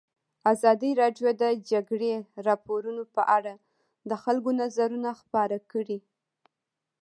ازادي راډیو د د جګړې راپورونه په اړه د خلکو نظرونه خپاره کړي.